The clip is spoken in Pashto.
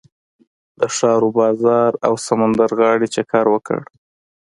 د ښار و بازار او سمندر غاړې چکر وکړ.